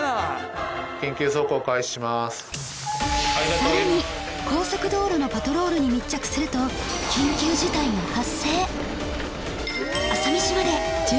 さらに高速道路のパトロールに密着すると緊急事態が発生！